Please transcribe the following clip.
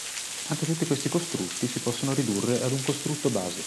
Anche tutti questi costrutti si possono ridurre ad un costrutto base.